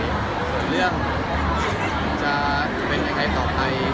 ส่วนเรื่องจะเป็นยังไงต่อไป